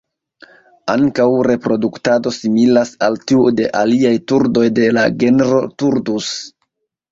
Ankaŭ reproduktado similas al tiu de aliaj turdoj de la genro "Turdus".